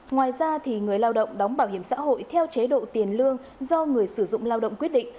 ngoài ra người lao động đóng bảo hiểm xã hội theo chế độ tiền lương do người sử dụng lao động quyết định